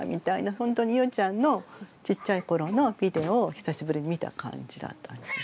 ほんとにゆうちゃんのちっちゃい頃のビデオを久しぶりに見た感じだったんですね。